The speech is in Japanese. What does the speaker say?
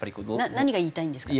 何が言いたいんですか？